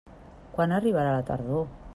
Quan arribarà la tardor?